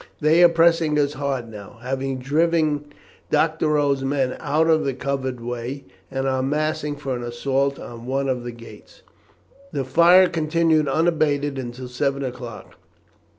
"They are pressing us hard now, having driven Doctorow's men out of the covered way, and are massing for an assault on one of the gates." The fire continued unabated until seven o'clock.